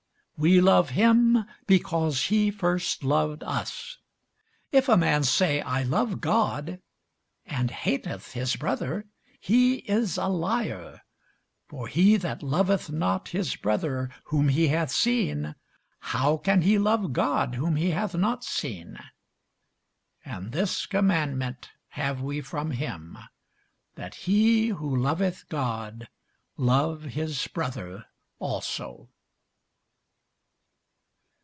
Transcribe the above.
We love him, because he first loved us. If a man say, I love God, and hateth his brother, he is a liar: for he that loveth not his brother whom he hath seen, how can he love God whom he hath not seen? And this commandment have we from him, that he who loveth God love his brother also.